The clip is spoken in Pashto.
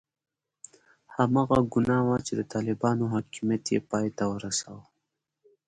هماغه ګناه وه چې د طالبانو حاکمیت یې پای ته ورساوه.